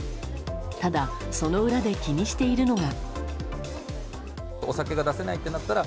ただ、その裏で気にしているのが。